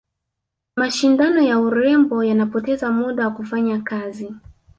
mashindano ya urembo yanapoteza muda wa kufanya kazi